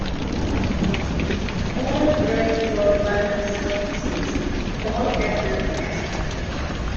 All Bradford-London services call at Doncaster.